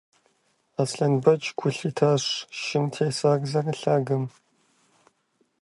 Аслъэнбэч гу лъитащ шым тесыр зэрылъагэм.